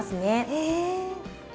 へえ。